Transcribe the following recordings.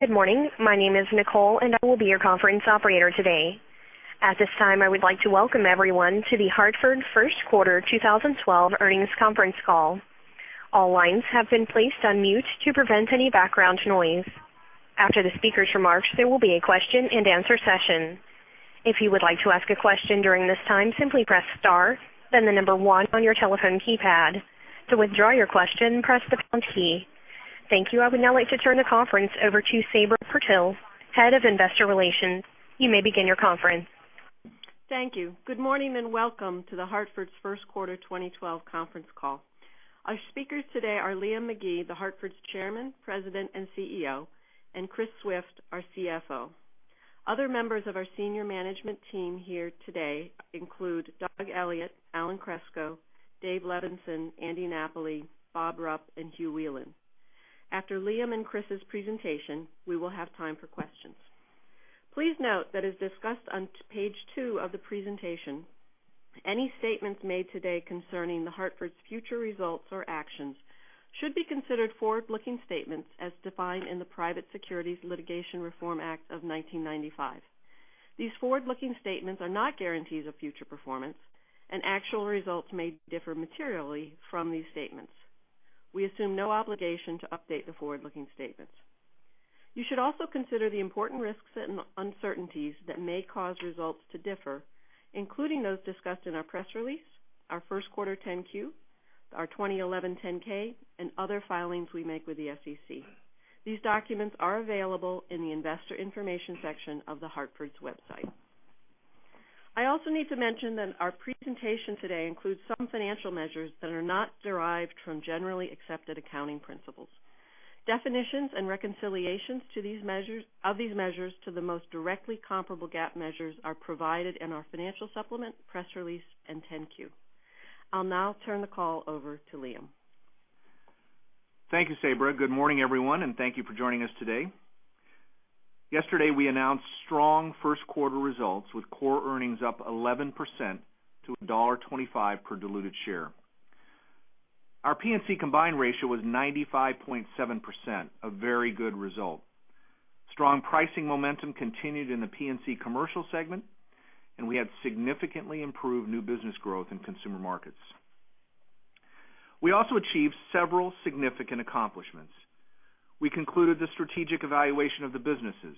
Good morning. My name is Nicole. I will be your conference operator today. At this time, I would like to welcome everyone to The Hartford first quarter 2012 earnings conference call. All lines have been placed on mute to prevent any background noise. After the speaker's remarks, there will be a question and answer session. If you would like to ask a question during this time, simply press star, then the number one on your telephone keypad. To withdraw your question, press the pound key. Thank you. I would now like to turn the conference over to Sabra Purtill, Head of Investor Relations. You may begin your conference. Thank you. Good morning. Welcome to The Hartford's first quarter 2012 conference call. Our speakers today are Liam McGee, The Hartford's Chairman, President, and Chief Executive Officer, and Chris Swift, our CFO. Other members of our senior management team here today include Doug Elliot, Alan Kreczko, David Levenson, Andy Napoli, Robert Rupp, and Hugh Whelan. After Liam and Chris's presentation, we will have time for questions. Please note that as discussed on page two of the presentation, any statements made today concerning The Hartford's future results or actions should be considered forward-looking statements as defined in the Private Securities Litigation Reform Act of 1995. These forward-looking statements are not guarantees of future performance. Actual results may differ materially from these statements. We assume no obligation to update the forward-looking statements. You should also consider the important risks and uncertainties that may cause results to differ, including those discussed in our press release, our first quarter 10-Q, our 2011 10-K. Other filings we make with the SEC. These documents are available in the investor information section of The Hartford's website. I also need to mention that our presentation today includes some financial measures that are not derived from generally accepted accounting principles. Definitions and reconciliations of these measures to the most directly comparable GAAP measures are provided in our financial supplement, press release, and 10-Q. I'll now turn the call over to Liam. Thank you, Sabra. Good morning, everyone. Thank you for joining us today. Yesterday, we announced strong first quarter results with core earnings up 11% to $1.25 per diluted share. Our P&C combined ratio was 95.7%, a very good result. Strong pricing momentum continued in the P&C commercial segment. We had significantly improved new business growth in consumer markets. We also achieved several significant accomplishments. We concluded the strategic evaluation of the businesses.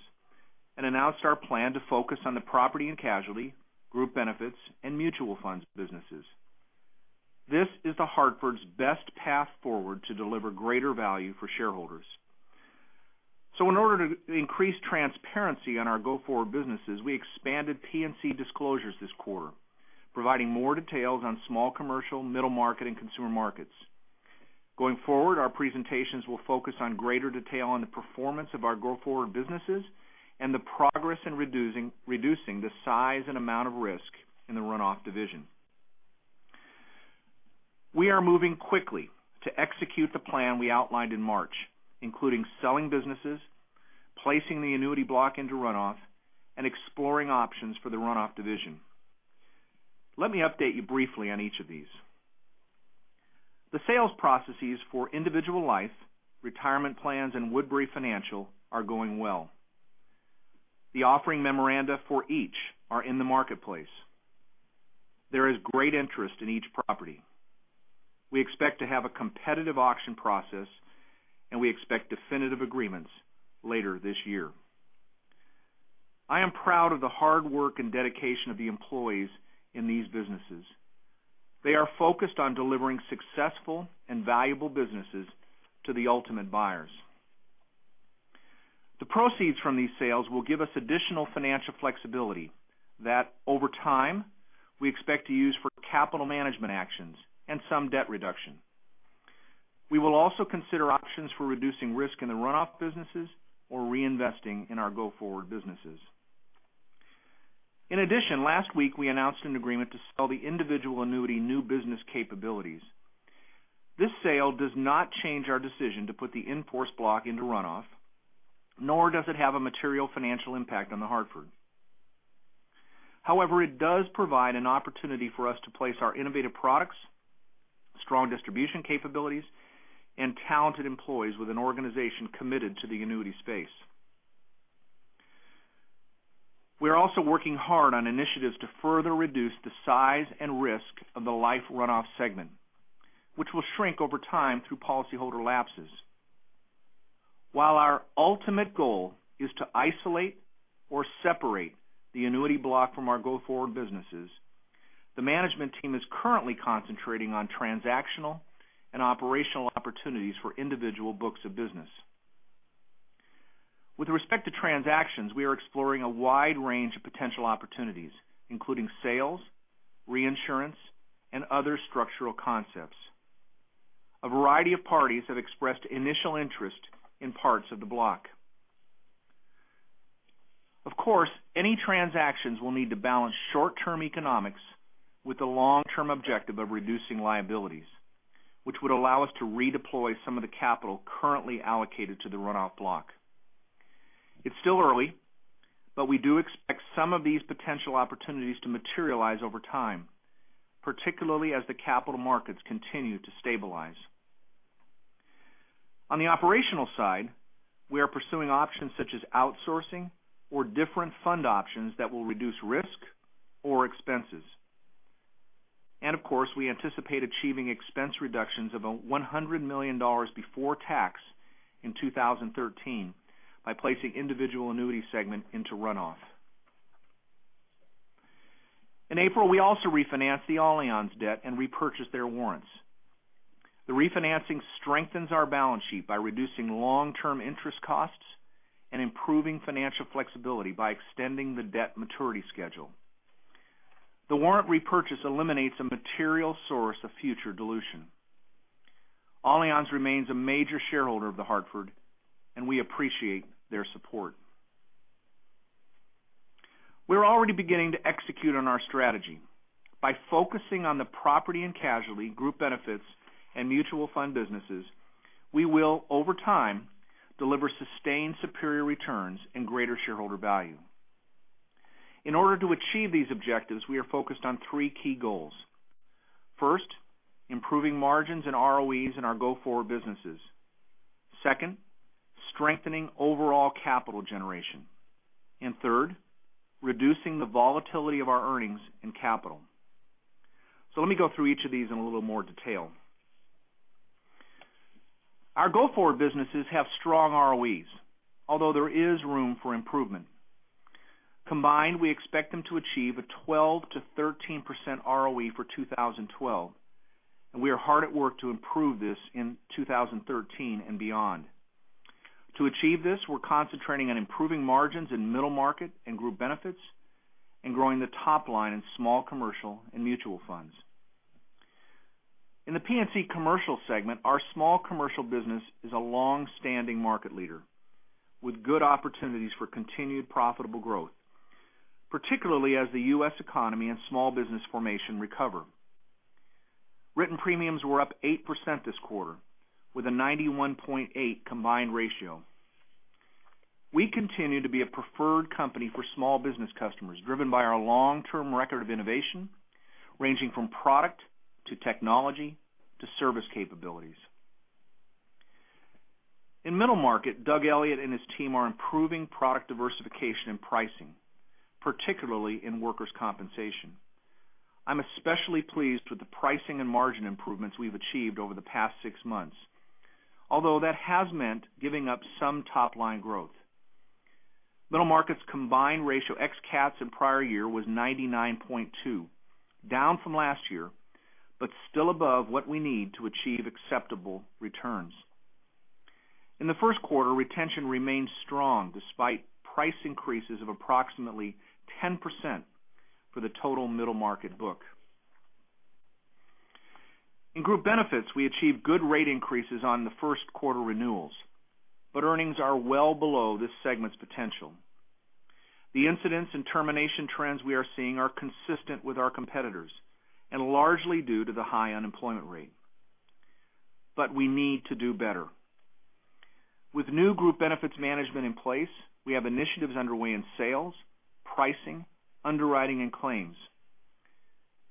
We announced our plan to focus on the property and casualty, group benefits, and mutual funds businesses. This is The Hartford's best path forward to deliver greater value for shareholders. In order to increase transparency on our go-forward businesses, we expanded P&C disclosures this quarter, providing more details on small commercial, middle market, and consumer markets. Going forward, our presentations will focus on greater detail on the performance of our go-forward businesses and the progress in reducing the size and amount of risk in the Run-off division. We are moving quickly to execute the plan we outlined in March, including selling businesses, placing the annuity block into Run-off, and exploring options for the Run-off division. Let me update you briefly on each of these. The sales processes for Individual Life, Retirement Plans, and Woodbury Financial Services are going well. The offering memoranda for each are in the marketplace. There is great interest in each property. We expect to have a competitive auction process, and we expect definitive agreements later this year. I am proud of the hard work and dedication of the employees in these businesses. They are focused on delivering successful and valuable businesses to the ultimate buyers. The proceeds from these sales will give us additional financial flexibility that, over time, we expect to use for capital management actions and some debt reduction. We will also consider options for reducing risk in the Run-off businesses or reinvesting in our go-forward businesses. In addition, last week we announced an agreement to sell the Individual Annuity new business capabilities. This sale does not change our decision to put the in-force block into Run-off, nor does it have a material financial impact on The Hartford. However, it does provide an opportunity for us to place our innovative products, strong distribution capabilities, and talented employees with an organization committed to the annuity space. We are also working hard on initiatives to further reduce the size and risk of the Life Run-off segment, which will shrink over time through policyholder lapses. While our ultimate goal is to isolate or separate the annuity block from our go-forward businesses, the management team is currently concentrating on transactional and operational opportunities for individual books of business. With respect to transactions, we are exploring a wide range of potential opportunities, including sales, reinsurance, and other structural concepts. A variety of parties have expressed initial interest in parts of the block. Of course, any transactions will need to balance short-term economics with the long-term objective of reducing liabilities, which would allow us to redeploy some of the capital currently allocated to the Run-off block. It's still early. We do expect some of these potential opportunities to materialize over time, particularly as the capital markets continue to stabilize. On the operational side, we are pursuing options such as outsourcing or different fund options that will reduce risk or expenses. We anticipate achieving expense reductions of $100 million before tax in 2013 by placing the Individual Annuity segment into Run-off. In April, we also refinanced the Allianz debt and repurchased their warrants. The refinancing strengthens our balance sheet by reducing long-term interest costs and improving financial flexibility by extending the debt maturity schedule. The warrant repurchase eliminates a material source of future dilution. Allianz remains a major shareholder of The Hartford, and we appreciate their support. We're already beginning to execute on our strategy. By focusing on the Property and Casualty, Group Benefits, and mutual fund businesses, we will, over time, deliver sustained superior returns and greater shareholder value. In order to achieve these objectives, we are focused on three key goals. First, improving margins and ROEs in our go-forward businesses. Second, strengthening overall capital generation. Third, reducing the volatility of our earnings and capital. Let me go through each of these in a little more detail. Our go-forward businesses have strong ROEs, although there is room for improvement. Combined, we expect them to achieve a 12%-13% ROE for 2012. We are hard at work to improve this in 2013 and beyond. To achieve this, we're concentrating on improving margins in Middle Market and Group Benefits and growing the top line in Small Commercial and mutual funds. In the P&C Commercial Segment, our Small Commercial business is a long-standing market leader with good opportunities for continued profitable growth, particularly as the U.S. economy and small business formation recover. Written premiums were up 8% this quarter with a 91.8 combined ratio. We continue to be a preferred company for small business customers driven by our long-term record of innovation ranging from product to technology to service capabilities. In Middle Market, Doug Elliot and his team are improving product diversification and pricing, particularly in workers' compensation. I'm especially pleased with the pricing and margin improvements we've achieved over the past six months, although that has meant giving up some top-line growth. Middle Market's combined ratio ex cats in prior year was 99.2, down from last year. Still above what we need to achieve acceptable returns. In the first quarter, retention remained strong despite price increases of approximately 10% for the total Middle Market book. In Group Benefits, we achieved good rate increases on the first quarter renewals. Earnings are well below this segment's potential. The incidents and termination trends we are seeing are consistent with our competitors and largely due to the high unemployment rate. We need to do better. With new Group Benefits management in place, we have initiatives underway in sales, pricing, underwriting, and claims.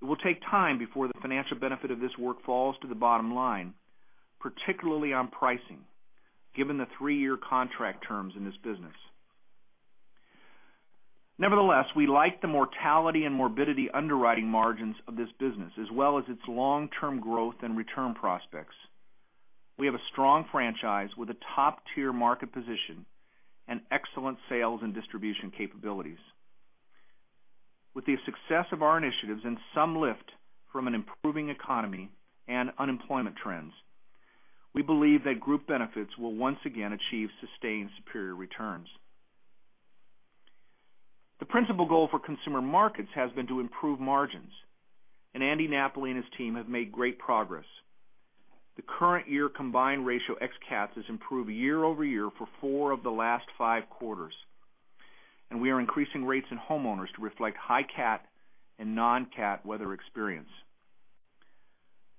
It will take time before the financial benefit of this work falls to the bottom line, particularly on pricing, given the three-year contract terms in this business. Nevertheless, we like the mortality and morbidity underwriting margins of this business, as well as its long-term growth and return prospects. We have a strong franchise with a top-tier market position and excellent sales and distribution capabilities. With the success of our initiatives and some lift from an improving economy and unemployment trends, we believe that Group Benefits will once again achieve sustained superior returns. The principal goal for Consumer Markets has been to improve margins. Andy Napoli and his team have made great progress. The current year combined ratio ex cats has improved year-over-year for four of the last five quarters. We are increasing rates in homeowners to reflect high cat and non-cat weather experience.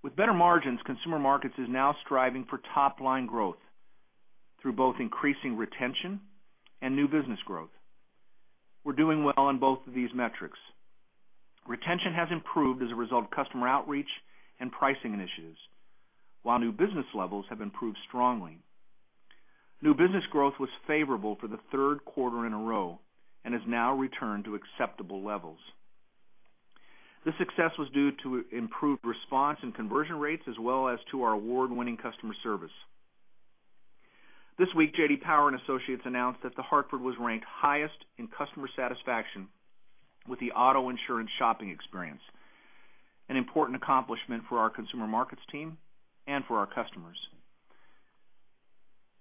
With better margins, Consumer Markets is now striving for top-line growth through both increasing retention and new business growth. We're doing well on both of these metrics. Retention has improved as a result of customer outreach and pricing initiatives, while new business levels have improved strongly. New business growth was favorable for the third quarter in a row and has now returned to acceptable levels. This success was due to improved response and conversion rates as well as to our award-winning customer service. This week, J.D. J.D. Power and Associates announced that The Hartford was ranked highest in customer satisfaction with the auto insurance shopping experience, an important accomplishment for our Consumer Markets team and for our customers.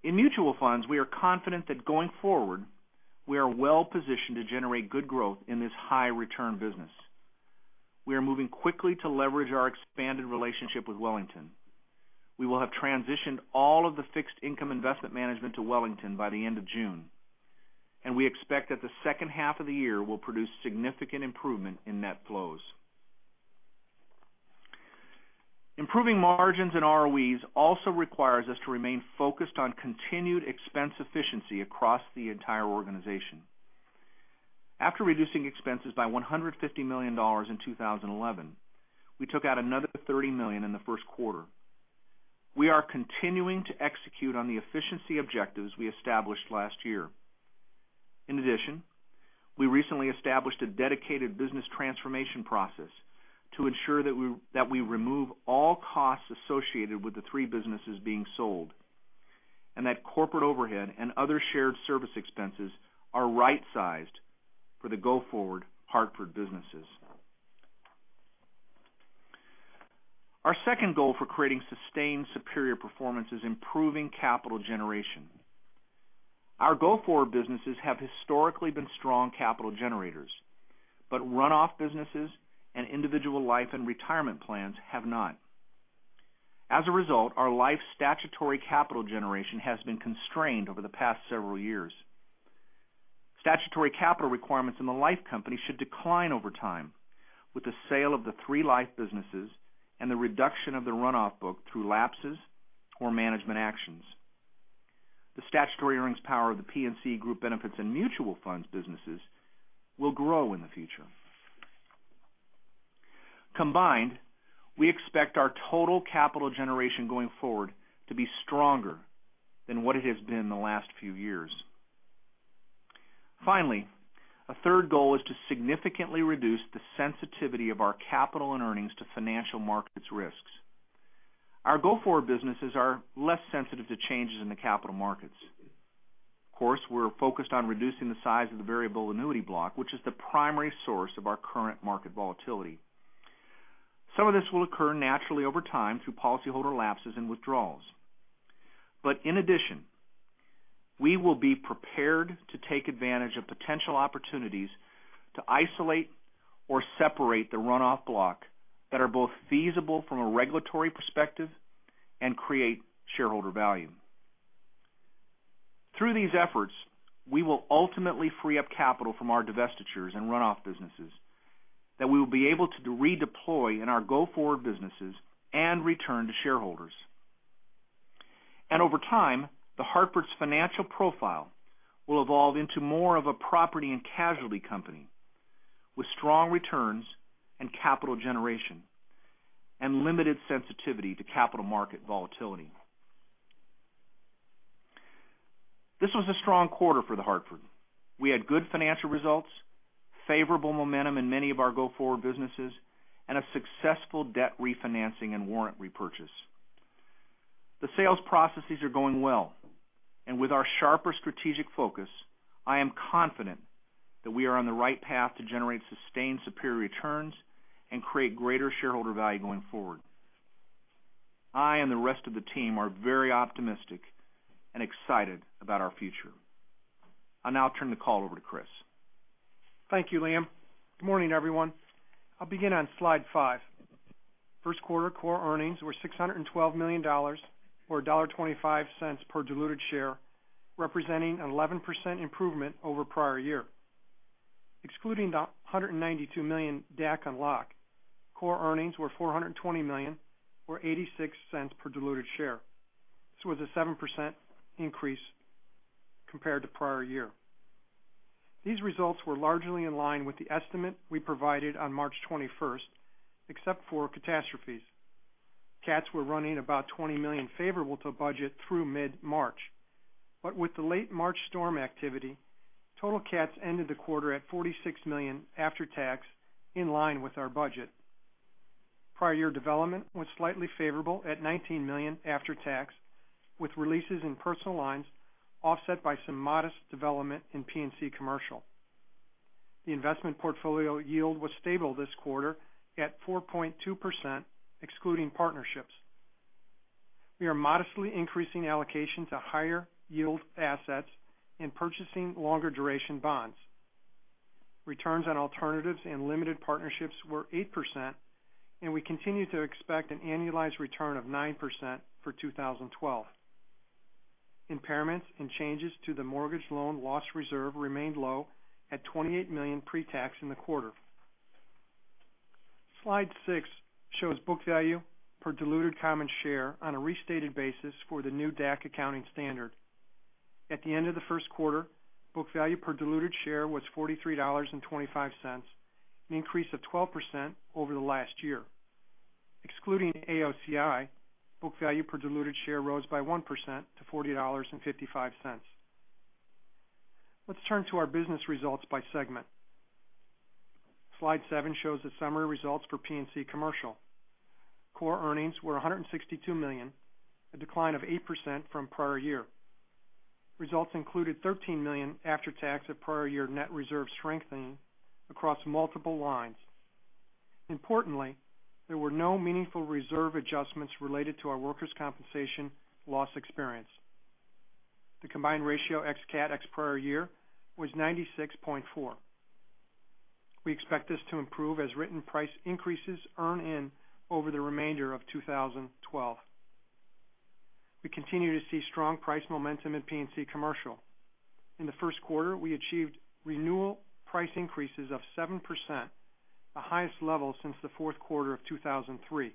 In mutual funds, we are confident that going forward, we are well-positioned to generate good growth in this high-return business. We are moving quickly to leverage our expanded relationship with Wellington Management. We will have transitioned all of the fixed income investment management to Wellington Management by the end of June, and we expect that the second half of the year will produce significant improvement in net flows. Improving margins and ROEs also requires us to remain focused on continued expense efficiency across the entire organization. After reducing expenses by $150 million in 2011, we took out another $30 million in the first quarter. We are continuing to execute on the efficiency objectives we established last year. We recently established a dedicated business transformation process to ensure that we remove all costs associated with the three businesses being sold, and that corporate overhead and other shared service expenses are right-sized for the go-forward Hartford businesses. Our second goal for creating sustained superior performance is improving capital generation. Our go-forward businesses have historically been strong capital generators, but run-off businesses and Individual Life and Retirement Plans have not. As a result, our life statutory capital generation has been constrained over the past several years. Statutory capital requirements in the life company should decline over time with the sale of the three life businesses and the reduction of the run-off book through lapses or management actions. The statutory earnings power of the P&C Group Benefits and mutual funds businesses will grow in the future. We expect our total capital generation going forward to be stronger than what it has been in the last few years. A third goal is to significantly reduce the sensitivity of our capital and earnings to financial markets risks. Our go-forward businesses are less sensitive to changes in the capital markets. Of course, we're focused on reducing the size of the variable annuity block, which is the primary source of our current market volatility. Some of this will occur naturally over time through policyholder lapses and withdrawals. In addition, we will be prepared to take advantage of potential opportunities to isolate or separate the run-off block that are both feasible from a regulatory perspective and create shareholder value. Through these efforts, we will ultimately free up capital from our divestitures and run-off businesses that we will be able to redeploy in our go-forward businesses and return to shareholders. Over time, The Hartford's financial profile will evolve into more of a property and casualty company with strong returns and capital generation and limited sensitivity to capital market volatility. This was a strong quarter for The Hartford. We had good financial results, favorable momentum in many of our go-forward businesses, and a successful debt refinancing and warrant repurchase. The sales processes are going well. With our sharper strategic focus, I am confident that we are on the right path to generate sustained superior returns and create greater shareholder value going forward. I and the rest of the team are very optimistic and excited about our future. I'll now turn the call over to Chris. Thank you, Liam. Good morning, everyone. I'll begin on slide five. First quarter core earnings were $612 million, or $1.25 per diluted share, representing an 11% improvement over prior year. Excluding the $192 million DAC unlock, core earnings were $420 million, or $0.86 per diluted share. This was a 7% increase compared to prior year. These results were largely in line with the estimate we provided on March 21st, except for catastrophes. CATs were running about $20 million favorable to budget through mid-March. With the late March storm activity, total CATs ended the quarter at $46 million after tax, in line with our budget. Prior year development was slightly favorable at $19 million after tax, with releases in personal lines offset by some modest development in P&C commercial. The investment portfolio yield was stable this quarter at 4.2%, excluding partnerships. We are modestly increasing allocation to higher yield assets and purchasing longer duration bonds. Returns on alternatives and limited partnerships were 8%, and we continue to expect an annualized return of 9% for 2012. Impairments and changes to the mortgage loan loss reserve remained low at $28 million pre-tax in the quarter. Slide six shows book value per diluted common share on a restated basis for the new DAC accounting standard. At the end of the first quarter, book value per diluted share was $43.25, an increase of 12% over the last year. Excluding AOCI, book value per diluted share rose by 1% to $40.55. Let's turn to our business results by segment. Slide seven shows the summary results for P&C commercial. Core earnings were $162 million, a decline of 8% from prior year. Results included $13 million after tax of prior year net reserve strengthening across multiple lines. Importantly, there were no meaningful reserve adjustments related to our workers' compensation loss experience. The combined ratio ex-CAT, ex-prior year was 96.4. We expect this to improve as written price increases earn in over the remainder of 2012. We continue to see strong price momentum at P&C Commercial. In the first quarter, we achieved renewal price increases of 7%, the highest level since the fourth quarter of 2003.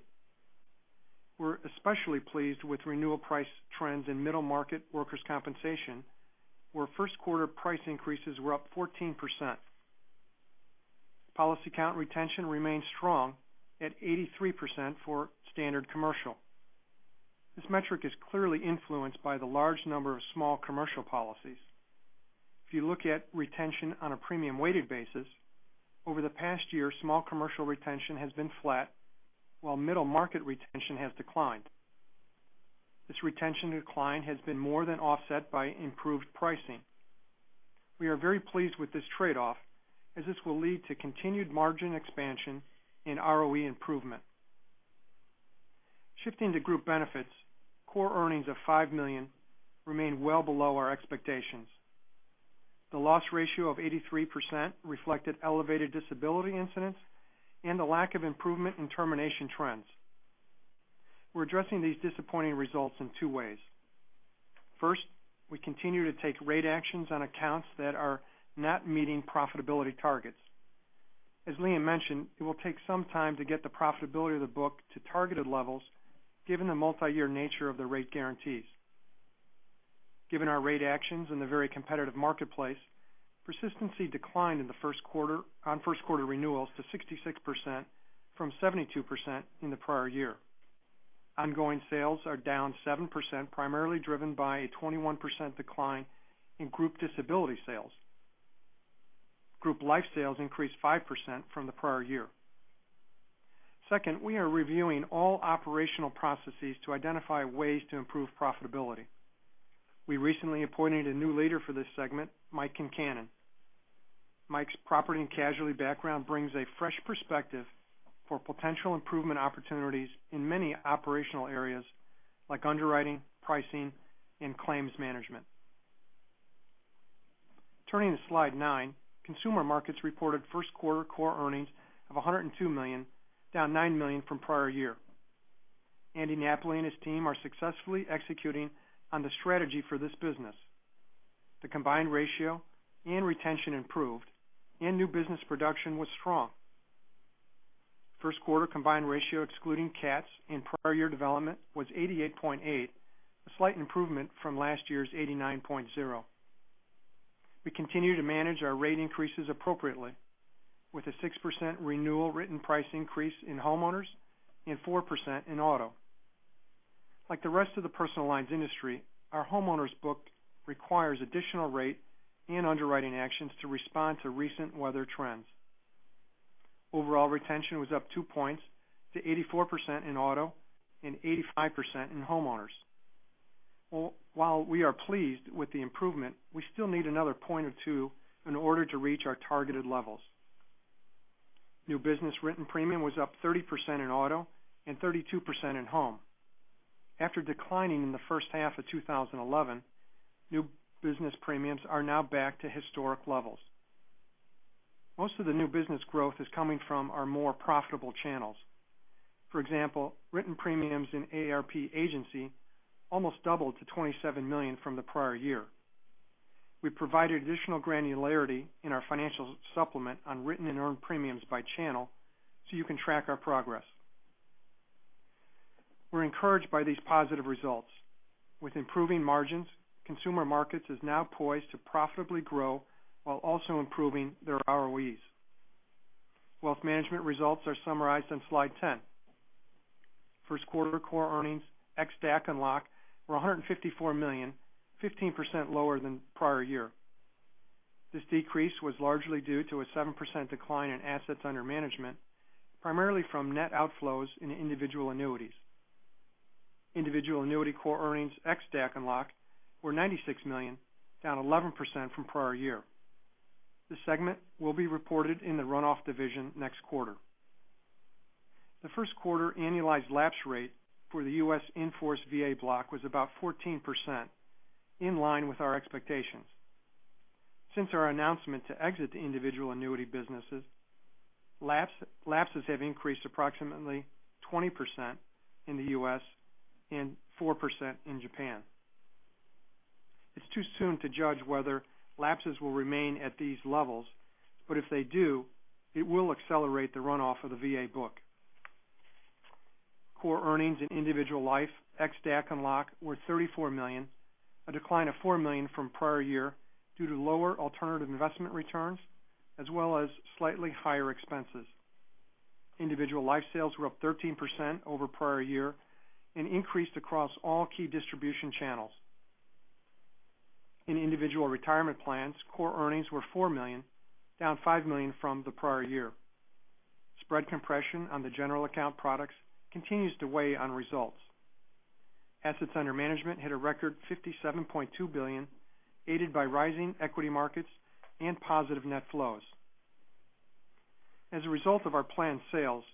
We're especially pleased with renewal price trends in middle market workers' compensation, where first quarter price increases were up 14%. Policy count retention remains strong at 83% for standard commercial. This metric is clearly influenced by the large number of small commercial policies. If you look at retention on a premium weighted basis, over the past year, small commercial retention has been flat while middle market retention has declined. This retention decline has been more than offset by improved pricing. We are very pleased with this trade-off as this will lead to continued margin expansion and ROE improvement. Shifting to Group Benefits, core earnings of $5 million remain well below our expectations. The loss ratio of 83% reflected elevated disability incidents and a lack of improvement in termination trends. We're addressing these disappointing results in two ways. First, we continue to take rate actions on accounts that are not meeting profitability targets. As Liam mentioned, it will take some time to get the profitability of the book to targeted levels given the multi-year nature of the rate guarantees. Given our rate actions in the very competitive marketplace, persistency declined on first quarter renewals to 66% from 72% in the prior year. Ongoing sales are down 7%, primarily driven by a 21% decline in group disability sales. Group life sales increased 5% from the prior year. Second, we are reviewing all operational processes to identify ways to improve profitability. We recently appointed a new leader for this segment, Mike Concannon. Mike's property and casualty background brings a fresh perspective for potential improvement opportunities in many operational areas like underwriting, pricing, and claims management. Turning to slide nine, Consumer Markets reported first quarter core earnings of $102 million, down $9 million from prior year. Andy Napoli and his team are successfully executing on the strategy for this business. The combined ratio and retention improved and new business production was strong. First quarter combined ratio excluding CATs and prior year development was 88.8, a slight improvement from last year's 89.0. We continue to manage our rate increases appropriately with a 6% renewal written price increase in homeowners and 4% in auto. Like the rest of the personal lines industry, our homeowners book requires additional rate and underwriting actions to respond to recent weather trends. Overall retention was up two points to 84% in auto and 85% in homeowners. While we are pleased with the improvement, we still need another point or two in order to reach our targeted levels. New business written premium was up 30% in auto and 32% in home. After declining in the first half of 2011, new business premiums are now back to historic levels. Most of the new business growth is coming from our more profitable channels. For example, written premiums in AARP agency almost doubled to $27 million from the prior year. We provided additional granularity in our financial supplement on written and earned premiums by channel so you can track our progress. We're encouraged by these positive results. With improving margins, Consumer Markets is now poised to profitably grow while also improving their ROEs. Wealth management results are summarized on slide 10. First quarter core earnings, ex-DAC and LOC, were $154 million, 15% lower than prior year. This decrease was largely due to a 7% decline in assets under management, primarily from net outflows in individual annuities. Individual annuity core earnings, ex-DAC and LOC, were $96 million, down 11% from prior year. This segment will be reported in the run-off division next quarter. The first quarter annualized lapse rate for the U.S. in-force VA block was about 14%, in line with our expectations. Since our announcement to exit the individual annuity businesses, lapses have increased to approximately 20% in the U.S. and 4% in Japan. It's too soon to judge whether lapses will remain at these levels, but if they do, it will accelerate the run-off of the VA book. Core earnings in Individual Life, ex-DAC and LOC, were $34 million, a decline of $4 million from prior year due to lower alternative investment returns, as well as slightly higher expenses. Individual Life sales were up 13% over prior year and increased across all key distribution channels. In Retirement Plans, core earnings were $4 million, down $5 million from the prior year. Spread compression on the general account products continues to weigh on results. Assets under management hit a record $57.2 billion, aided by rising equity markets and positive net flows. As a result of our planned sales,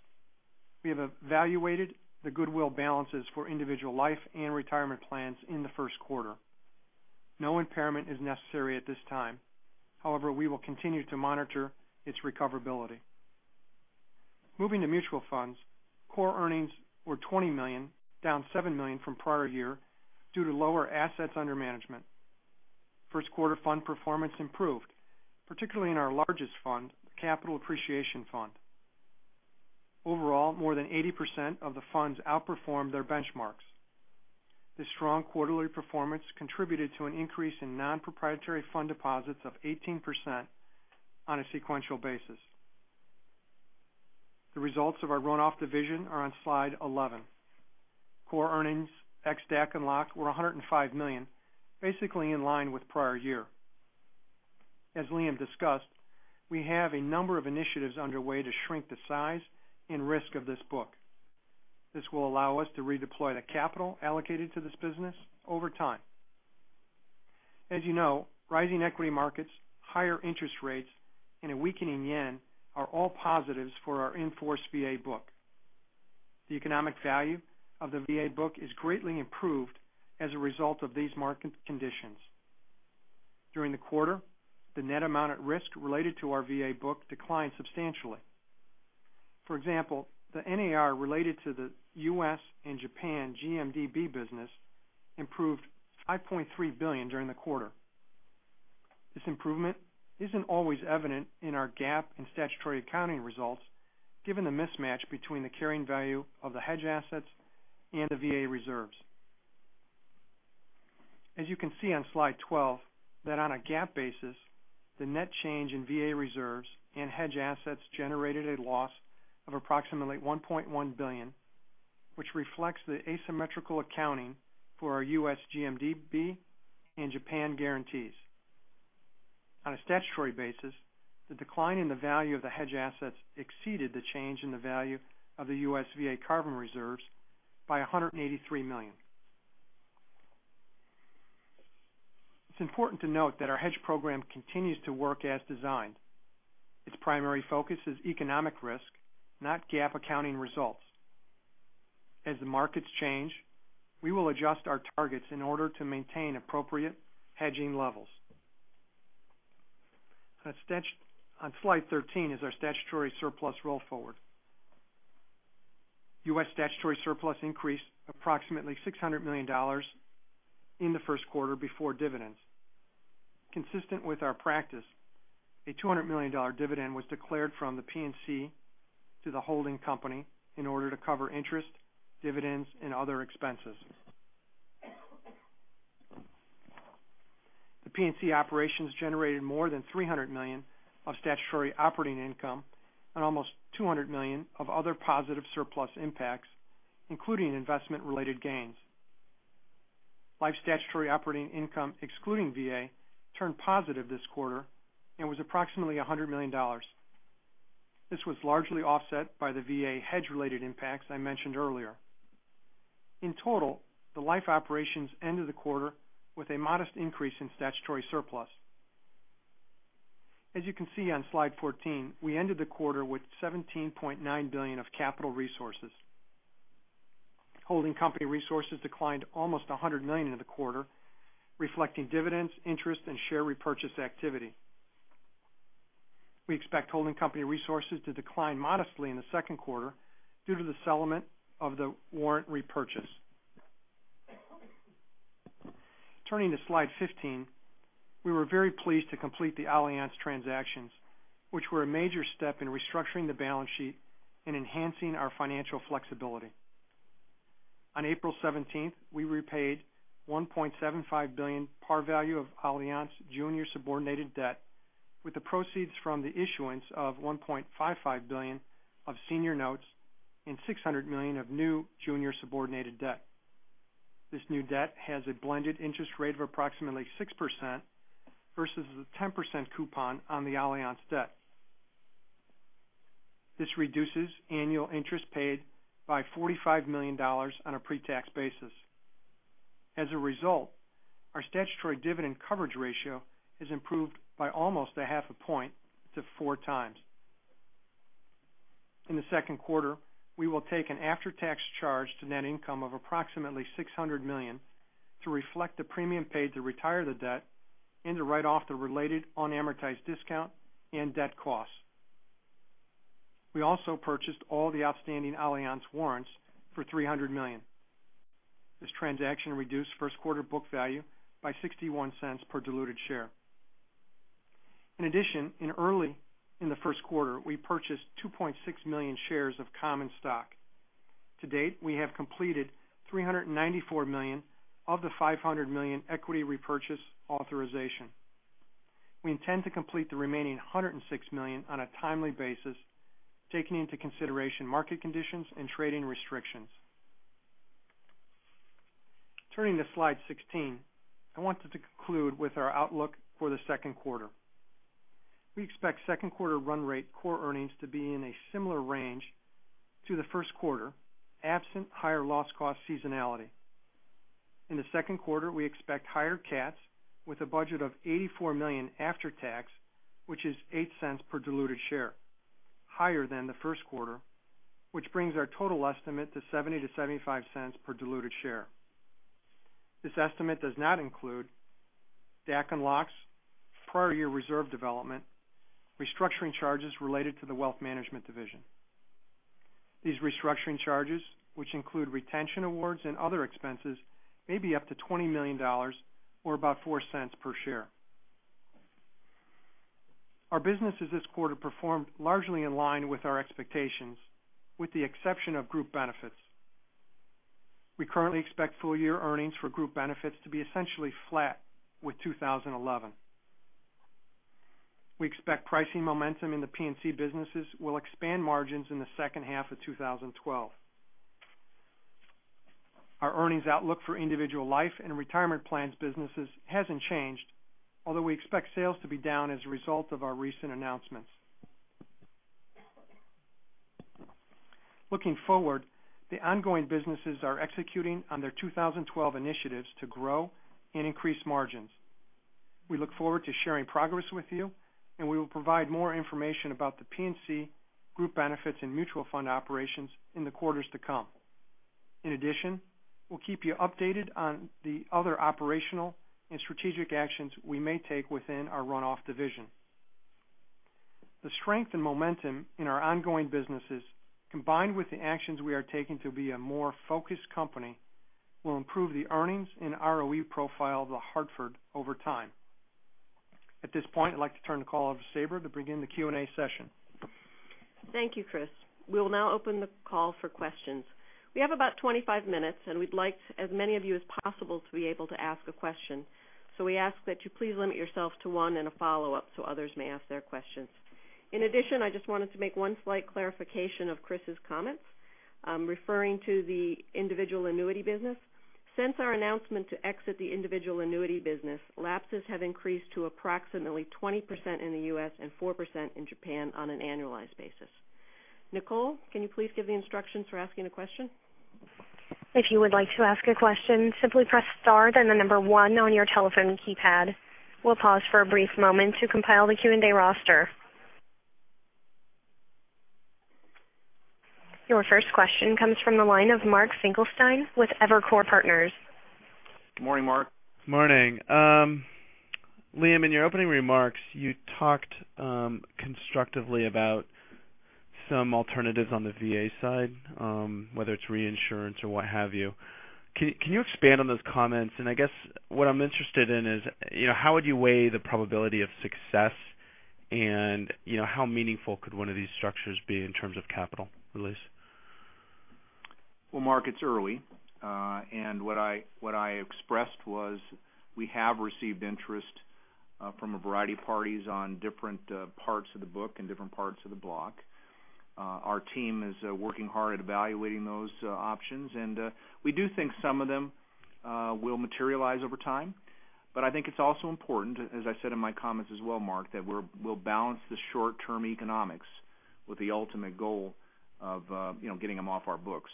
we have evaluated the goodwill balances for Individual Life and Retirement Plans in the first quarter. No impairment is necessary at this time. We will continue to monitor its recoverability. Moving to mutual funds, core earnings were $20 million, down $7 million from prior year due to lower assets under management. First quarter fund performance improved, particularly in our largest fund, Capital Appreciation Fund. Overall, more than 80% of the funds outperformed their benchmarks. This strong quarterly performance contributed to an increase in non-proprietary fund deposits of 18% on a sequential basis. The results of our run-off division are on slide 11. Core earnings, ex-DAC and LOC, were $105 million, basically in line with prior year. As Liam discussed, we have a number of initiatives underway to shrink the size and risk of this book. This will allow us to redeploy the capital allocated to this business over time. As you know, rising equity markets, higher interest rates, and a weakening yen are all positives for our in-force VA book. The economic value of the VA book is greatly improved as a result of these market conditions. During the quarter, the net amount at risk related to our VA book declined substantially. For example, the NAR related to the U.S. and Japan GMDB business improved to $5.3 billion during the quarter. This improvement isn't always evident in our GAAP and statutory accounting results, given the mismatch between the carrying value of the hedge assets and the VA reserves. As you can see on slide 12, that on a GAAP basis, the net change in VA reserves and hedge assets generated a loss of approximately $1.1 billion, which reflects the asymmetrical accounting for our U.S. GMDB and Japan guarantees. On a statutory basis, the decline in the value of the hedge assets exceeded the change in the value of the U.S. VA CARVM reserves by $183 million. It's important to note that our hedge program continues to work as designed. Its primary focus is economic risk, not GAAP accounting results. As the markets change, we will adjust our targets in order to maintain appropriate hedging levels. On slide 13 is our statutory surplus roll forward. U.S. statutory surplus increased approximately $600 million in the first quarter before dividends. Consistent with our practice, a $200 million dividend was declared from the P&C to the holding company in order to cover interest, dividends, and other expenses. The P&C operations generated more than $300 million of statutory operating income and almost $200 million of other positive surplus impacts, including investment related gains. Life statutory operating income excluding VA turned positive this quarter and was approximately $100 million. This was largely offset by the VA hedge related impacts I mentioned earlier. In total, the life operations ended the quarter with a modest increase in statutory surplus. As you can see on slide 14, we ended the quarter with $17.9 billion of capital resources. Holding company resources declined almost $100 million in the quarter, reflecting dividends, interest, and share repurchase activity. We expect holding company resources to decline modestly in the second quarter due to the settlement of the warrant repurchase. Turning to slide 15, we were very pleased to complete the Allianz transactions, which were a major step in restructuring the balance sheet and enhancing our financial flexibility. On April 17th, we repaid $1.75 billion par value of Allianz junior subordinated debt with the proceeds from the issuance of $1.55 billion of senior notes and $600 million of new junior subordinated debt. This new debt has a blended interest rate of approximately 6% versus the 10% coupon on the Allianz debt. This reduces annual interest paid by $45 million on a pre-tax basis. As a result, our statutory dividend coverage ratio has improved by almost a half a point to 4 times. In the second quarter, we will take an after-tax charge to net income of approximately $600 million to reflect the premium paid to retire the debt and to write off the related unamortized discount and debt costs. We also purchased all the outstanding Allianz warrants for $300 million. This transaction reduced first quarter book value by $0.61 per diluted share. In addition, early in the first quarter, we purchased 2.6 million shares of common stock. To date, we have completed $394 million of the $500 million equity repurchase authorization. We intend to complete the remaining $106 million on a timely basis, taking into consideration market conditions and trading restrictions. Turning to slide 16, I wanted to conclude with our outlook for the second quarter. We expect second quarter run rate core earnings to be in a similar range to the first quarter, absent higher loss cost seasonality. In the second quarter, we expect higher CATs with a budget of $84 million after tax, which is $0.08 per diluted share, higher than the first quarter, which brings our total estimate to $0.70-$0.75 per diluted share. This estimate does not include DAC and LOCs, prior year reserve development, restructuring charges related to the Wealth Management division. These restructuring charges, which include retention awards and other expenses, may be up to $20 million or about $0.04 per share. Our businesses this quarter performed largely in line with our expectations, with the exception of Group Benefits. We currently expect full year earnings for Group Benefits to be essentially flat with 2011. We expect pricing momentum in the P&C businesses will expand margins in the second half of 2012. Our earnings outlook for Individual Life and Retirement Plans businesses hasn't changed, although we expect sales to be down as a result of our recent announcements. Looking forward, the ongoing businesses are executing on their 2012 initiatives to grow and increase margins. We look forward to sharing progress with you, and we will provide more information about the P&C Group Benefits and mutual fund operations in the quarters to come. In addition, we'll keep you updated on the other operational and strategic actions we may take within our Run-off division. The strength and momentum in our ongoing businesses, combined with the actions we are taking to be a more focused company, will improve the earnings and ROE profile of The Hartford over time. At this point, I'd like to turn the call over to Sabra to begin the Q&A session. Thank you, Chris. We will now open the call for questions. We have about 25 minutes, and we'd like as many of you as possible to be able to ask a question. We ask that you please limit yourself to one and a follow-up so others may ask their questions. In addition, I just wanted to make one slight clarification of Chris's comments referring to the individual annuity business. Since our announcement to exit the individual annuity business, lapses have increased to approximately 20% in the U.S. and 4% in Japan on an annualized basis. Nicole, can you please give the instructions for asking a question? If you would like to ask a question, simply press star, then the number one on your telephone keypad. We'll pause for a brief moment to compile the Q&A roster. Your first question comes from the line of Mark Finkelstein with Evercore Partners. Good morning, Mark. Morning. Liam, in your opening remarks, you talked constructively about some alternatives on the VA side, whether it's reinsurance or what have you. Can you expand on those comments? I guess what I'm interested in is how would you weigh the probability of success? How meaningful could one of these structures be in terms of capital release? Well, Mark, it's early. What I expressed was we have received interest from a variety of parties on different parts of the book and different parts of the block. Our team is working hard at evaluating those options. We do think some of them will materialize over time. I think it's also important, as I said in my comments as well, Mark, that we'll balance the short-term economics with the ultimate goal of getting them off our books.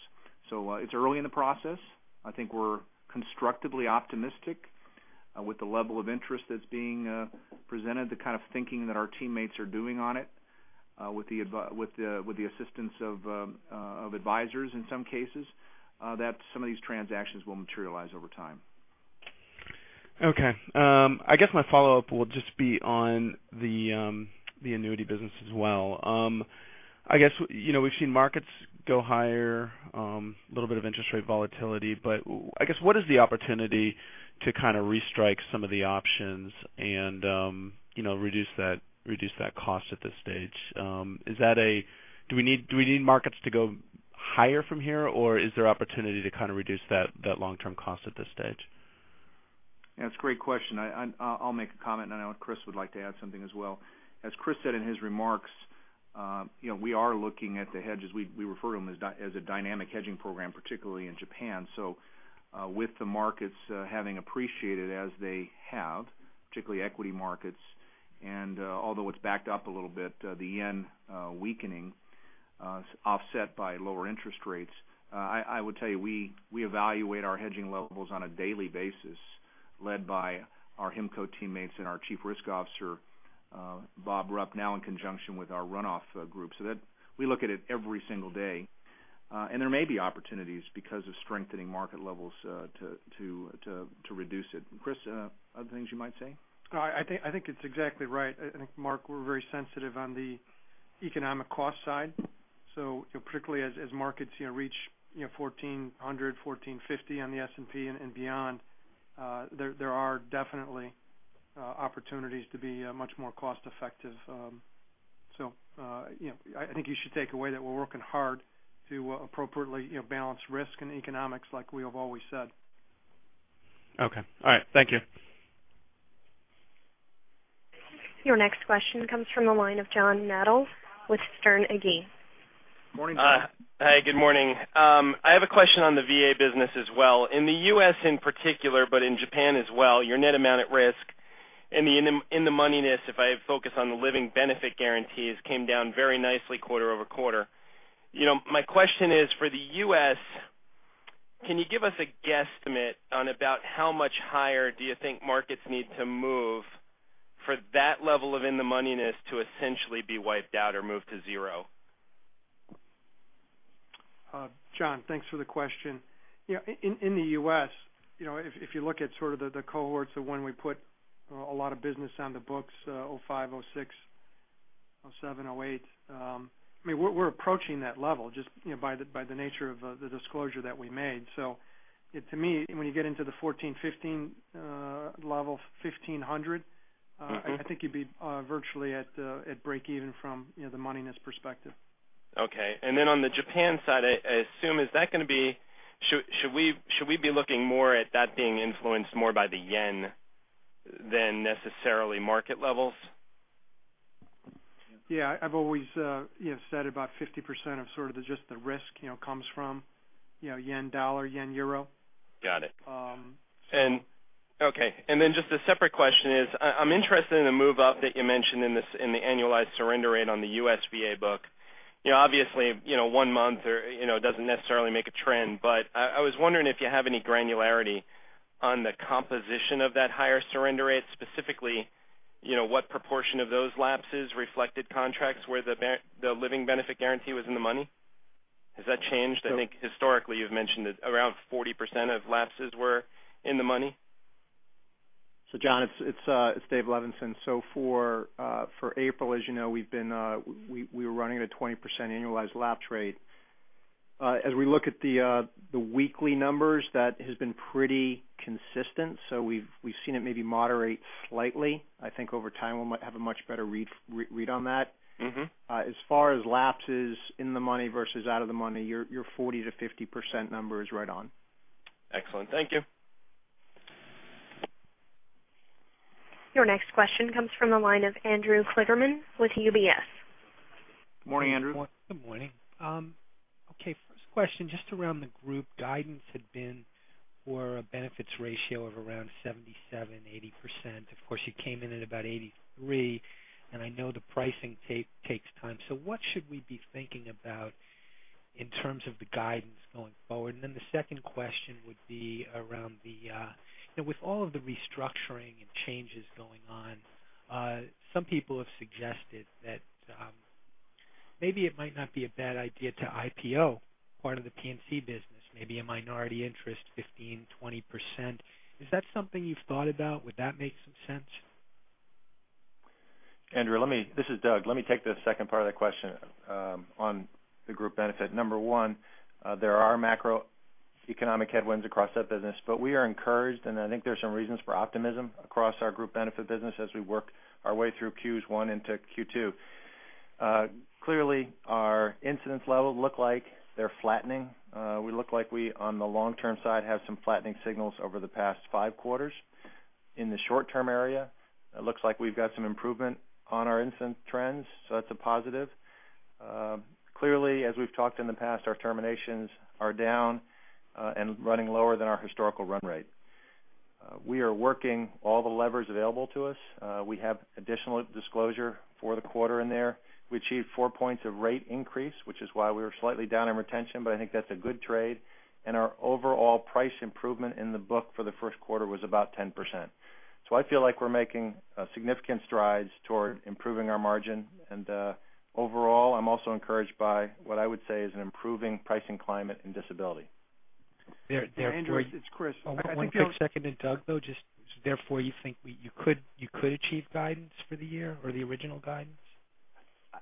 It's early in the process. I think we're constructively optimistic with the level of interest that's being presented, the kind of thinking that our teammates are doing on it with the assistance of advisors in some cases that some of these transactions will materialize over time. Okay. I guess my follow-up will just be on the annuity business as well. I guess we've seen markets go higher, a little bit of interest rate volatility, but I guess what is the opportunity to kind of restrike some of the options and reduce that cost at this stage? Do we need markets to go higher from here, or is there opportunity to kind of reduce that long-term cost at this stage? That's a great question. I'll make a comment. I know Chris would like to add something as well. As Chris said in his remarks, we are looking at the hedges. We refer to them as a dynamic hedging program, particularly in Japan. With the markets having appreciated as they have, particularly equity markets, and although it's backed up a little bit, the yen weakening offset by lower interest rates I would tell you, we evaluate our hedging levels on a daily basis, led by our HIMCO teammates and our Chief Risk Officer, Robert Rupp, now in conjunction with our run-off group. We look at it every single day. There may be opportunities because of strengthening market levels to reduce it. Chris, other things you might say? I think it's exactly right. I think Mark, we're very sensitive on the economic cost side. Particularly as markets reach 1,400, 1,450 on the S&P and beyond there are definitely opportunities to be much more cost effective. I think you should take away that we're working hard to appropriately balance risk and economics like we have always said. Okay. All right. Thank you. Your next question comes from the line of John Nadel with Sterne Agee. Morning, John. Hi, good morning. I have a question on the VA business as well. In the U.S. in particular, but in Japan as well, your net amount at risk in the moneyness, if I focus on the living benefit guarantees, came down very nicely quarter-over-quarter. My question is for the U.S., can you give us a guesstimate on about how much higher do you think markets need to move for that level of in the moneyness to essentially be wiped out or moved to zero? John, thanks for the question. In the U.S., if you look at sort of the cohorts of when we put a lot of business on the books, 2005, 2006, 2007, 2008, we're approaching that level just by the nature of the disclosure that we made. To me, when you get into the 14, 15 level, 1,500, I think you'd be virtually at break even from the moneyness perspective. Okay. Then on the Japan side, I assume, should we be looking more at that being influenced more by the yen than necessarily market levels? Yeah. I've always said about 50% of sort of just the risk comes from yen dollar, yen euro. Got it. Okay. Then just a separate question is, I'm interested in the move up that you mentioned in the annualized surrender rate on the U.S. VA book. Obviously, one month doesn't necessarily make a trend, but I was wondering if you have any granularity on the composition of that higher surrender rate, specifically, what proportion of those lapses reflected contracts where the living benefit guarantee was in the money? Has that changed? I think historically, you've mentioned that around 40% of lapses were in the money. John, it's David Levenson. For April, as you know, we were running at a 20% annualized lapse rate. As we look at the weekly numbers, that has been pretty consistent. We've seen it maybe moderate slightly. I think over time, we'll have a much better read on that. As far as lapses in the money versus out of the money, your 40%-50% number is right on. Excellent. Thank you. Your next question comes from the line of Andrew Kligerman with UBS. Morning, Andrew. Good morning. Okay, first question, just around the group guidance had been for a benefits ratio of around 77%-80%. Of course, you came in at about 83%, I know the pricing takes time. What should we be thinking about in terms of the guidance going forward? The second question would be around with all of the restructuring and changes going on, some people have suggested that maybe it might not be a bad idea to IPO part of the P&C business, maybe a minority interest, 15%-20%. Is that something you've thought about? Would that make some sense? Andrew, this is Doug. Let me take the second part of the question on the group benefit. Number 1, there are macroeconomic headwinds across that business, we are encouraged, I think there's some reasons for optimism across our group benefit business as we work our way through Q1 into Q2. Clearly, our incidence levels look like they're flattening. We look like we, on the long term side, have some flattening signals over the past five quarters. In the short term area, it looks like we've got some improvement on our incident trends, that's a positive. Clearly, as we've talked in the past, our terminations are down and running lower than our historical run rate. We are working all the levers available to us. We have additional disclosure for the quarter in there. We achieved four points of rate increase, which is why we were slightly down in retention, I think that's a good trade. Our overall price improvement in the book for the first quarter was about 10%. I feel like we're making significant strides toward improving our margin. Overall, I'm also encouraged by what I would say is an improving pricing climate and disability. Andrew, it's Chris. One quick second to Doug, though, just therefore you think you could achieve guidance for the year or the original guidance?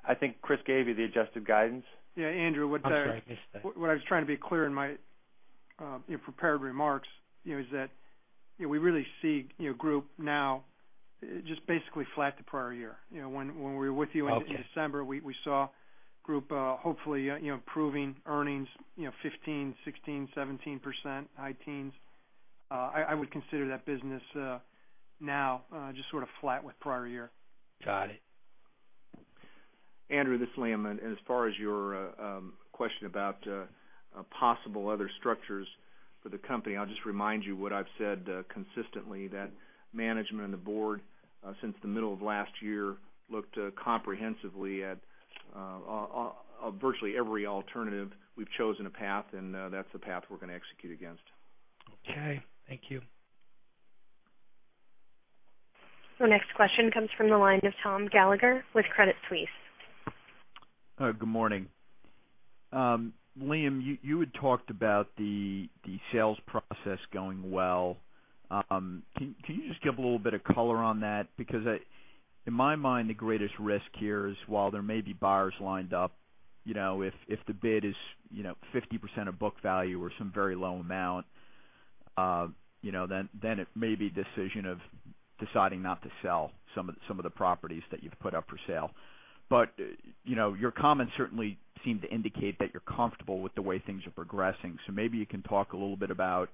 I think Chris gave you the adjusted guidance. Yeah, Andrew. I'm sorry, I missed that What I was trying to be clear in my prepared remarks is that we really see group now just basically flat to prior year. When we were with you in December, we saw group hopefully improving earnings 15%, 16%, 17%, high teens. I would consider that business now just sort of flat with prior year. Got it. Andrew, this is Liam. As far as your question about possible other structures for the company, I'll just remind you what I've said consistently, that management and the Board, since the middle of last year, looked comprehensively at virtually every alternative. We've chosen a path, and that's the path we're going to execute against. Okay. Thank you. The next question comes from the line of Tom Gallagher with Credit Suisse. Good morning. Liam, you had talked about the sales process going well. Can you just give a little bit of color on that? Because in my mind, the greatest risk here is while there may be buyers lined up, if the bid is 50% of book value or some very low amount, then it may be a decision of deciding not to sell some of the properties that you've put up for sale. Your comments certainly seem to indicate that you're comfortable with the way things are progressing. Maybe you can talk a little bit about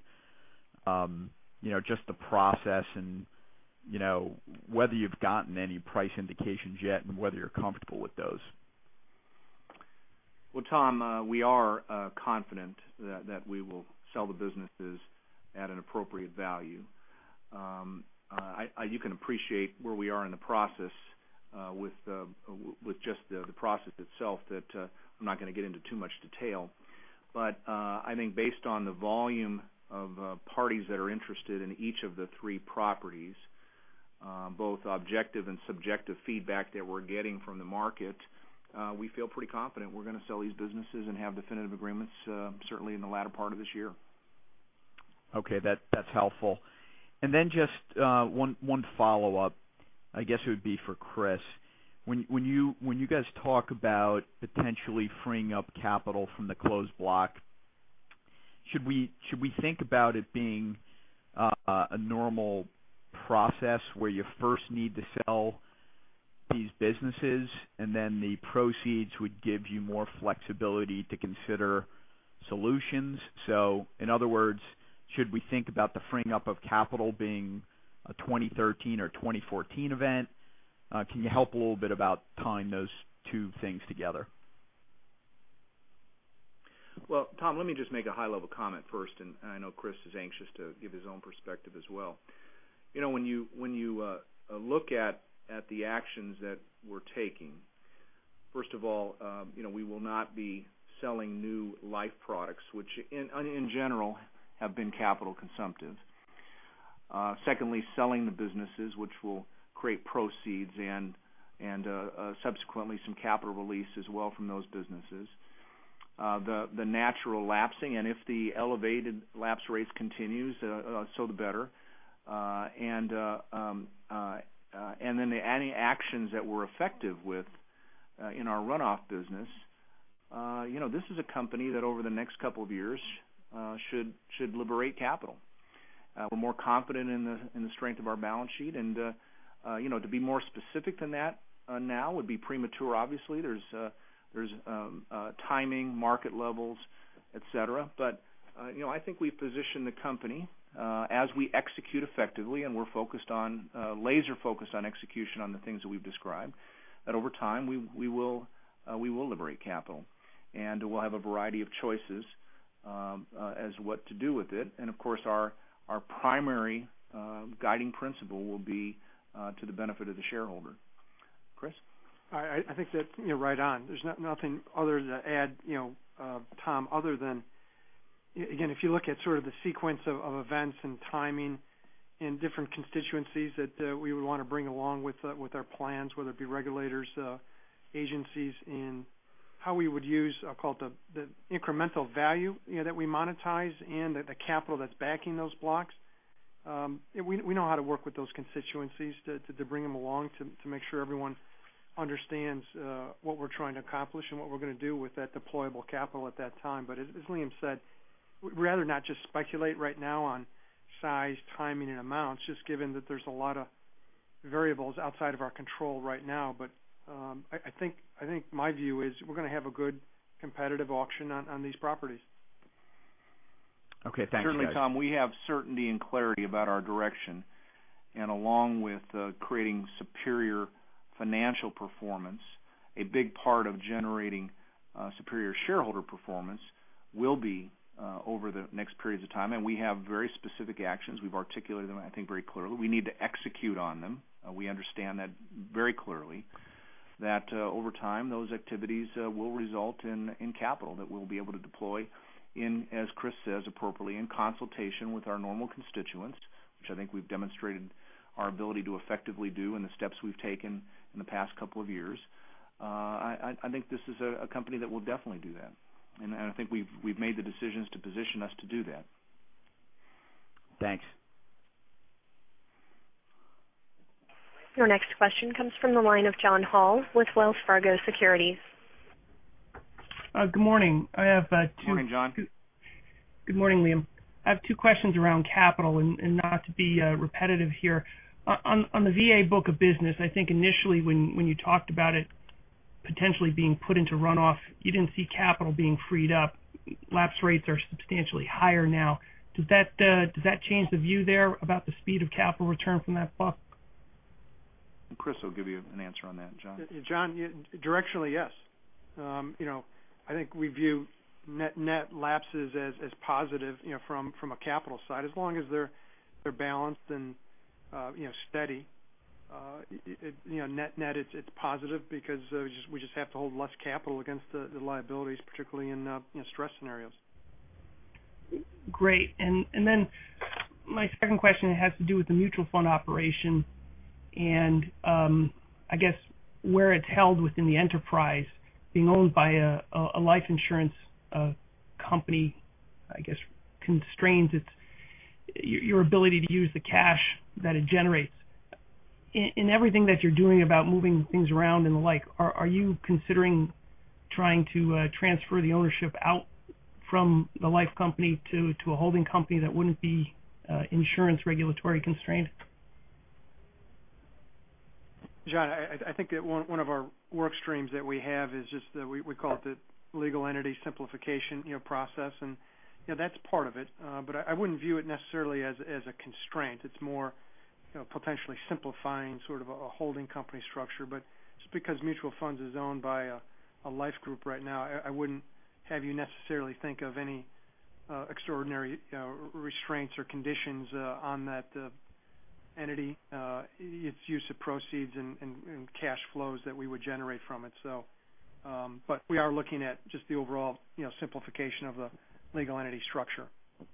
just the process and whether you've gotten any price indications yet and whether you're comfortable with those. Well, Tom, we are confident that we will sell the businesses at an appropriate value. You can appreciate where we are in the process with just the process itself that I'm not going to get into too much detail. I think based on the volume of parties that are interested in each of the three properties. Both objective and subjective feedback that we're getting from the market, we feel pretty confident we're going to sell these businesses and have definitive agreements, certainly in the latter part of this year. Okay, that's helpful. Just one follow-up, I guess it would be for Chris. When you guys talk about potentially freeing up capital from the closed block, should we think about it being a normal process where you first need to sell these businesses, and then the proceeds would give you more flexibility to consider solutions? In other words, should we think about the freeing up of capital being a 2013 or 2014 event? Can you help a little bit about tying those two things together? Tom, let me just make a high-level comment first, and I know Chris is anxious to give his own perspective as well. When you look at the actions that we're taking, first of all, we will not be selling new life products, which in general have been capital consumptive. Secondly, selling the businesses, which will create proceeds and subsequently some capital release as well from those businesses. The natural lapsing, and if the elevated lapse rates continues, so the better. Then any actions that we're effective with in our run-off business. This is a company that over the next couple of years should liberate capital. We're more confident in the strength of our balance sheet. To be more specific than that now would be premature, obviously. There's timing, market levels, et cetera. I think we've positioned the company as we execute effectively, and we're laser focused on execution on the things that we've described, that over time we will liberate capital. We'll have a variety of choices as what to do with it. Of course, our primary guiding principle will be to the benefit of the shareholder. Chris? I think that's right on. There's nothing other to add, Tom, other than, again, if you look at sort of the sequence of events and timing in different constituencies that we would want to bring along with our plans, whether it be regulators, agencies in how we would use, I call it the incremental value that we monetize and the capital that's backing those blocks. We know how to work with those constituencies to bring them along to make sure everyone understands what we're trying to accomplish and what we're going to do with that deployable capital at that time. As Liam said, we'd rather not just speculate right now on size, timing, and amounts, just given that there's a lot of variables outside of our control right now. I think my view is we're going to have a good competitive auction on these properties. Okay. Thanks, guys. Certainly, Tom, we have certainty and clarity about our direction. Along with creating superior financial performance, a big part of generating superior shareholder performance will be over the next periods of time. We have very specific actions. We've articulated them, I think, very clearly. We need to execute on them. We understand that very clearly, that over time, those activities will result in capital that we'll be able to deploy in, as Chris says appropriately, in consultation with our normal constituents, which I think we've demonstrated our ability to effectively do in the steps we've taken in the past couple of years. I think this is a company that will definitely do that. I think we've made the decisions to position us to do that. Thanks. Your next question comes from the line of John Hall with Wells Fargo Securities. Good morning. Good morning, John. Good morning, Liam. I have two questions around capital, not to be repetitive here. On the VA book of business, I think initially when you talked about it potentially being put into run-off, you didn't see capital being freed up. Lapse rates are substantially higher now. Does that change the view there about the speed of capital return from that book? Chris will give you an answer on that, John. John, directionally, yes. I think we view net lapses as positive from a capital side, as long as they're balanced and steady. Net, it's positive because we just have to hold less capital against the liabilities, particularly in stress scenarios. My second question has to do with the mutual fund operation, and I guess where it's held within the enterprise, being owned by a life insurance company, I guess constrains your ability to use the cash that it generates. In everything that you're doing about moving things around and the like, are you considering trying to transfer the ownership out from the life company to a holding company that wouldn't be insurance regulatory constrained? John, I think one of our work streams that we have is just we call it the legal entity simplification process. That's part of it. I wouldn't view it necessarily as a constraint. It's more potentially simplifying sort of a holding company structure. Just because mutual funds is owned by a life group right now, I wouldn't have you necessarily think of any extraordinary restraints or conditions on that entity, its use of proceeds and cash flows that we would generate from it. We are looking at just the overall simplification of the legal entity structure.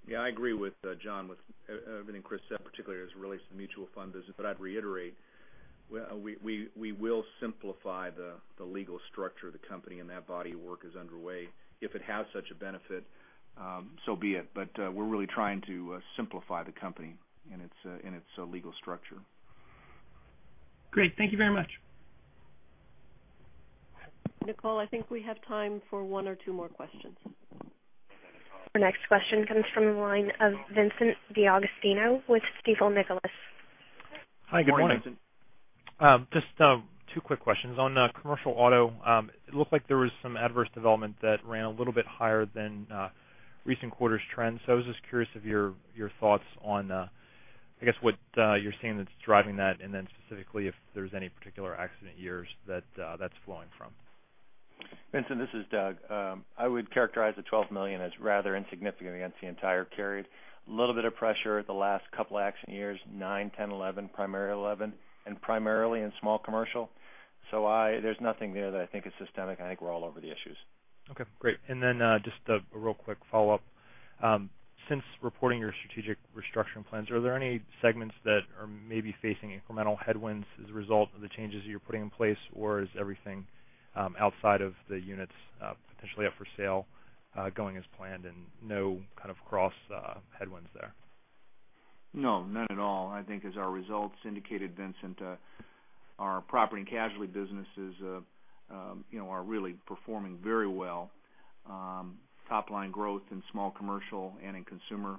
Yeah, I agree with John, with everything Chris said, particularly as it relates to mutual fund business. I'd reiterate, we will simplify the legal structure of the company, and that body of work is underway. If it has such a benefit, so be it. We're really trying to simplify the company and its legal structure. Great. Thank you very much. Nicole, I think we have time for one or two more questions. Our next question comes from the line of Vincent D'Agostino with Stifel Nicolaus. Hi, good morning. Good morning, Vincent. Just two quick questions. On Commercial Auto, it looked like there was some adverse development that ran a little bit higher than recent quarters' trends. I was just curious of your thoughts on, I guess, what you're seeing that's driving that, and then specifically if there's any particular accident years that's flowing from. Vincent, this is Doug. I would characterize the $12 million as rather insignificant against the entire carry. Little bit of pressure at the last couple of accident years, 2009, 2010, 2011, primarily 2011, and primarily in Small Commercial. There's nothing there that I think is systemic, and I think we're all over the issues. Okay, great. Just a real quick follow-up. Since reporting your strategic restructuring plans, are there any segments that are maybe facing incremental headwinds as a result of the changes you're putting in place? Is everything outside of the units potentially up for sale going as planned and no kind of cross headwinds there? No, none at all. I think as our results indicated, Vincent, our Property and Casualty businesses are really performing very well. Top line growth in small commercial and in consumer,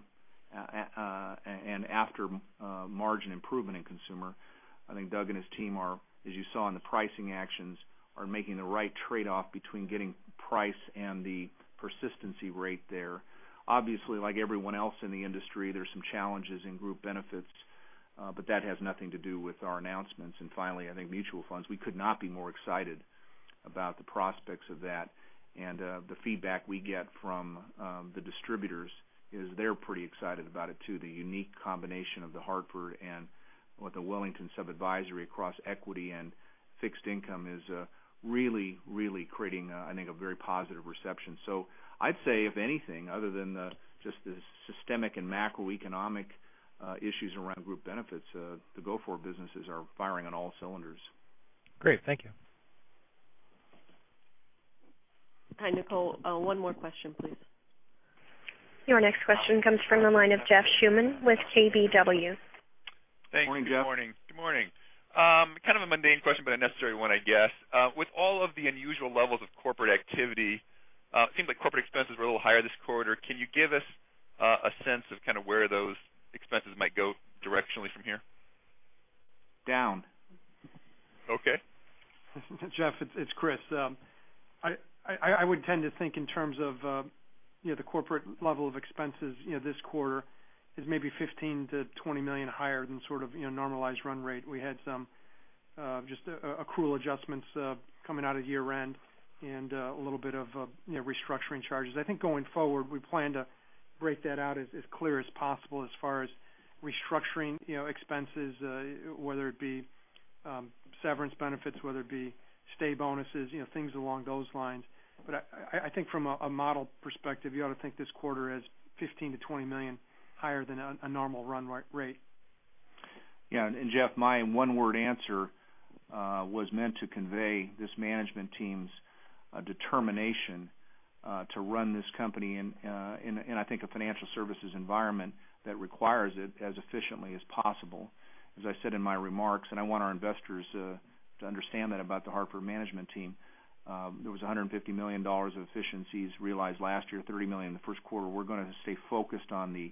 and after margin improvement in consumer. I think Doug and his team are, as you saw in the pricing actions, are making the right trade-off between getting price and the persistency rate there. Obviously, like everyone else in the industry, there's some challenges in Group Benefits, but that has nothing to do with our announcements. Finally, I think mutual funds, we could not be more excited about the prospects of that. The feedback we get from the distributors is they're pretty excited about it, too. The unique combination of The Hartford and with the Wellington sub-advisory across equity and fixed income is really creating a very positive reception. I'd say if anything, other than just the systemic and macroeconomic issues around Group Benefits, the go-forward businesses are firing on all cylinders. Great. Thank you. Hi, Nicole. One more question, please. Your next question comes from the line of Jeff Schuman with KBW. Good morning, Jeff. Thanks. Good morning. Kind of a mundane question, but a necessary one, I guess. With all of the unusual levels of corporate activity, it seems like corporate expenses were a little higher this quarter. Can you give us a sense of kind of where those expenses might go directionally from here? Down. Okay. Jeff, it's Chris. I would tend to think in terms of the corporate level of expenses this quarter is maybe $15 million-$20 million higher than sort of normalized run rate. We had some just accrual adjustments coming out of year-end and a little bit of restructuring charges. I think going forward, we plan to break that out as clear as possible as far as restructuring expenses, whether it be severance benefits, whether it be stay bonuses, things along those lines. I think from a model perspective, you ought to think this quarter as $15 million-$20 million higher than a normal run rate. Yeah. Jeff, my one-word answer was meant to convey this management team's determination to run this company in, I think, a financial services environment that requires it as efficiently as possible. As I said in my remarks, I want our investors to understand that about The Hartford management team. There was $150 million of efficiencies realized last year, $30 million in the first quarter. We're going to stay focused on the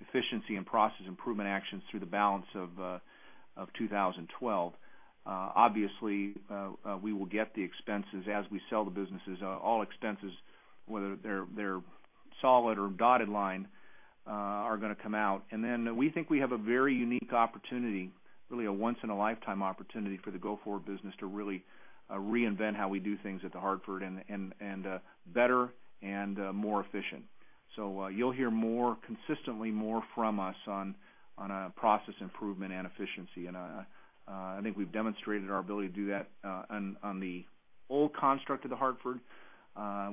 efficiency and process improvement actions through the balance of 2012. Obviously, we will get the expenses as we sell the businesses. All expenses, whether they're solid or dotted line, are going to come out. Then we think we have a very unique opportunity, really a once-in-a-lifetime opportunity for the go-forward business to really reinvent how we do things at The Hartford and better and more efficient. You'll hear more, consistently more from us on process improvement and efficiency. I think we've demonstrated our ability to do that on the old construct of The Hartford.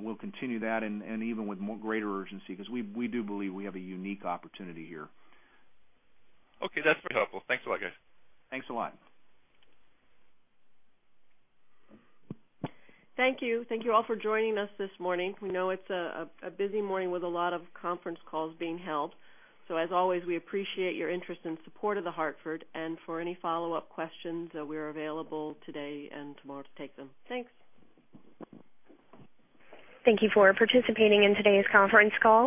We'll continue that and even with more greater urgency, because we do believe we have a unique opportunity here. Okay, that's very helpful. Thanks a lot, guys. Thanks a lot. Thank you. Thank you all for joining us this morning. We know it's a busy morning with a lot of conference calls being held. As always, we appreciate your interest and support of The Hartford, and for any follow-up questions, we're available today and tomorrow to take them. Thanks. Thank you for participating in today's conference call.